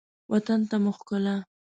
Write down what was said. وطن ته مو ښکلا